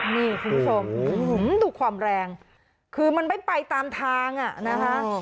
นี่คุณผู้ชมดูความแรงคือมันไม่ไปตามทางอ่ะนะคะ